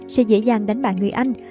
sẽ dễ dàng đánh bại người anh